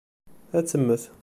Ad temmet.